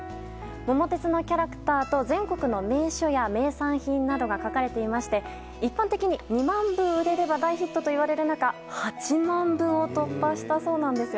「桃鉄」のキャラクターと全国の名所や名産品などが書かれていまして一般的に２万部売れれば大ヒットといわれる中８万部を突破したそうなんです。